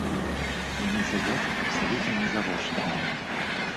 Яны сядзяць абсалютна нізавошта!